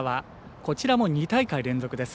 こちらも２大会連続です。